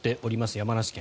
山梨県。